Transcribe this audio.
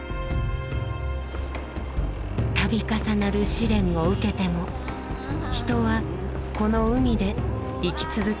度重なる試練を受けても人はこの海で生き続けてきました。